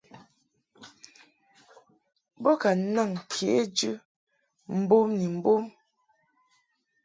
Bo ka naŋ kejɨ mbom ni mbom.